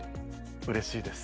うれしいです。